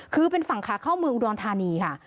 คือเป็นฝั่งขาเข้าเมืองอุดรธานีค่ะ